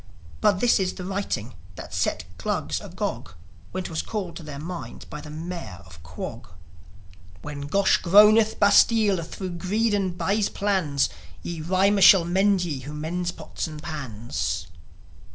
But this is the writing that set Glugs agog When 'twas called to their minds by the Mayor of Quog: When Gosh groaneth bastlie thro Greed and bys plannes Ye rimer shall mende ye who mendes pottes and pans.